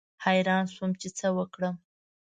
حیران شوم چې څه وکړم.